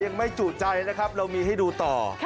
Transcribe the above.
ยังไม่จุใจนะครับเรามีให้ดูต่อ